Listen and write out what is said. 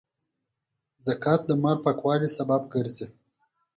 زکات د مال پاکوالي سبب ګرځي.